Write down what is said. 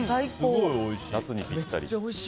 夏にぴったり。